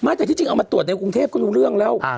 แต่ที่จริงเอามาตรวจในกรุงเทพก็รู้เรื่องแล้ว